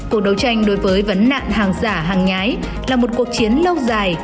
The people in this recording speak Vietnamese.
cuộc đấu tranh đối với vấn nạn hàng giả hàng nhái là một cuộc chiến lâu dài